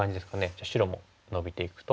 じゃあ白もノビていくと。